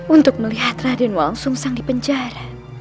untuk melihat raden wang sung sang di penjara